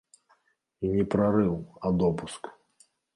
І не прарыў, а допуск.